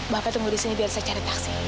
bapak tunggu di sini biar saya cari taksi